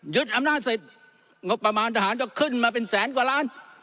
อำนาจเสร็จงบประมาณทหารก็ขึ้นมาเป็นแสนกว่าล้าน